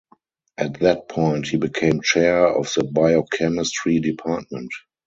At that point he became chair of the biochemistry department.